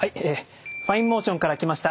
ファインモーションから来ました